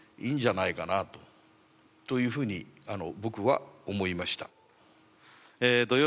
それから。というふうに僕は思いました。